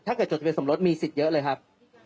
ไม่ต้องเกิดจดทะเบียนสมรสมีสิทธิ์เยอะเลยครับ